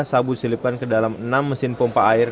sabu silipkan ke dalam enam mesin pompa air